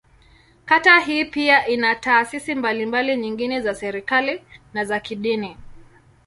Kata hii pia ina taasisi mbalimbali nyingine za serikali, na za kidini.